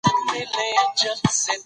د ماشوم د پوزې بندښت ژر وڅارئ.